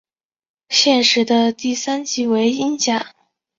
现时的第三级为英甲。